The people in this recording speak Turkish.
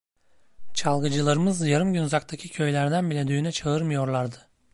Çalgıcılarımız yarım gün uzaktaki köylerden bile düğüne çağırmıyorlardı.